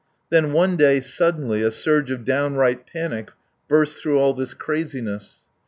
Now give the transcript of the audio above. Then one day, suddenly, a surge of downright panic burst through all this craziness.